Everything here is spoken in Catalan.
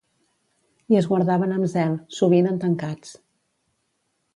I es guardaven amb zel, sovint en tancats.